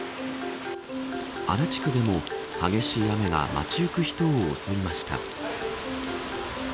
足立区でも激しい雨が街行く人を襲いました。